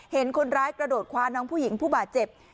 เห็นคนร้ายกระโดดคว้าน้องผู้หญิงผู้บาดเจ็บ